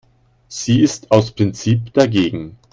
Sie ist aus Prinzip dagegen.